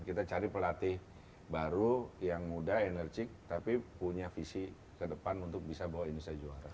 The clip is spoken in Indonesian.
kita cari pelatih baru yang muda enerjik tapi punya visi ke depan untuk bisa bawa indonesia juara